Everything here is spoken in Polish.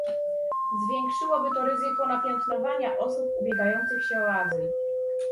"zwiększyłoby to ryzyko napiętnowania osób ubiegających się o azyl"